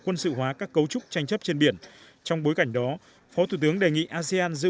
quân sự hóa các cấu trúc tranh chấp trên biển trong bối cảnh đó phó thủ tướng đề nghị asean giữ